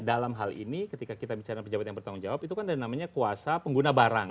dalam hal ini ketika kita bicara pejabat yang bertanggung jawab itu kan ada namanya kuasa pengguna barang